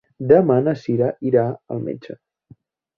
Demà na Cira irà al metge.